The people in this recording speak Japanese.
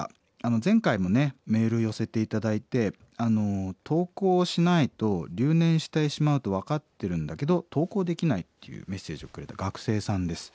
前回もねメール寄せて頂いて登校しないと留年してしまうと分かってるんだけど登校できないっていうメッセージをくれた学生さんです。